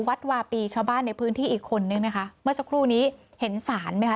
วัดวาปีชาวบ้านในพื้นที่อีกคนนึงไหมคะเมื่อสักครู่นี้เห็นศาลไหมคะ